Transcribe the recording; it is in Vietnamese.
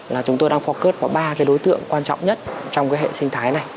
là chúng tôi đang focus có ba cái đối tượng quan trọng nhất trong cái hệ sinh thái này